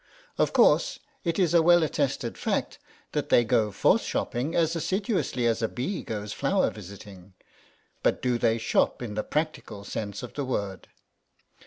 Of course, it is a well attested fact that they go forth shopping as assiduously as a bee goes flower visiting, but do they shop in the practical sense of the word?